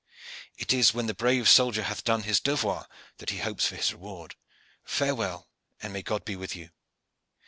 It is when the brave soldier hath done his devoir that he hopes for his reward. Farewell, and may God be with you!"